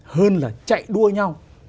hơn là chạy đua nhau